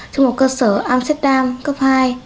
trong một cơ sở amsterdam cấp hai